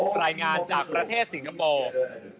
รายงานจากประเทศสิงคโปร์